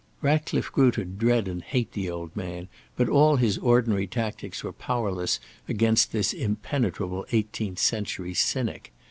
Ratcliffe grew to dread and hate the old man, but all his ordinary tactics were powerless against this impenetrable eighteenth century cynic.